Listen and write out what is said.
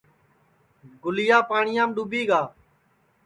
گُلیا پاٹِؔیام ڈُؔوٻی گا